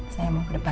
saya mau ke depan